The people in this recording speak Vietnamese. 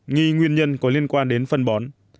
nghi nguyên nhân có liên quan đến phân bón